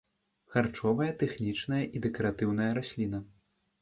Харчовая, тэхнічная і дэкаратыўная расліна.